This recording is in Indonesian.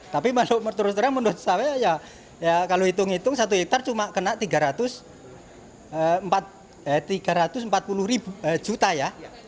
tapi terus terang menurut saya ya kalau hitung hitung satu hektare cuma kena tiga ratus empat puluh juta ya